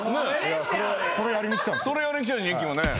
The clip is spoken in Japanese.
それやりに来たんすよ。